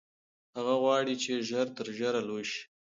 هغه غواړي چې ژر تر ژره لوی شي.